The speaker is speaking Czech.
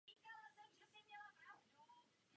Je to nejstarší dochovaná vodárna v Rakousku.